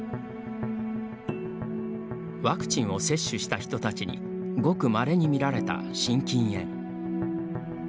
ワクチンを接種した人たちにごくまれに見られた心筋炎。